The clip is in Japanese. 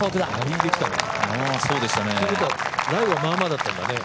ライはまあまあだったんだね。